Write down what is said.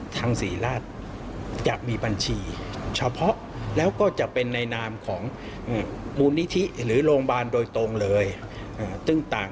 การโอนเงินเข้าไปบริจาคทางศรม